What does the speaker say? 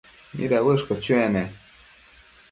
¿mida uëshquio chuec ne?